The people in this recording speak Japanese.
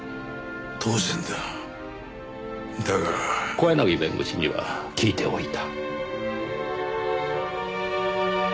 小柳弁護士には聞いておいた。